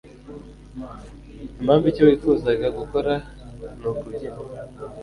impamvu icyo wifuzaga gukora nukubyina